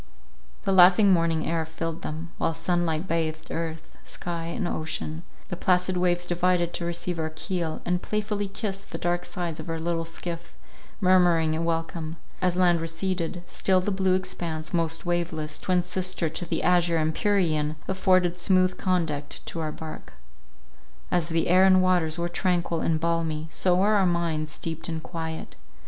The laughing morning air filled them, while sun light bathed earth, sky and ocean—the placid waves divided to receive our keel, and playfully kissed the dark sides of our little skiff, murmuring a welcome; as land receded, still the blue expanse, most waveless, twin sister to the azure empyrean, afforded smooth conduct to our bark. As the air and waters were tranquil and balmy, so were our minds steeped in quiet.